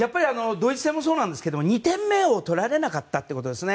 ドイツ戦もそうなんですけど２点目を取られなかったということですね。